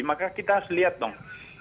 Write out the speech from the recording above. maka kita harus lihat dong